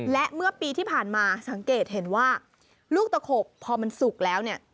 และเมื่อปีที่ผ่านมาสังเกตเห็นว่าลูกตะขบพอมันสุกแล้วเนี่ย